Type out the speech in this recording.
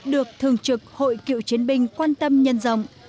được thường trực hội cựu chiến binh quan tâm nhân rộng